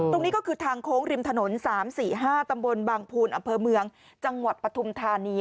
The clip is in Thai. ตรงนี้ก็คือทางโค้งริมถนน๓๔๕ตำบลบางภูนอำเภอเมืองจังหวัดปฐุมธานี